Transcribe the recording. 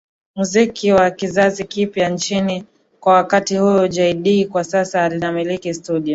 muziki wa kizazi kipya nchini kwa wakati huo Jay Dee kwa sasa anamiliki studio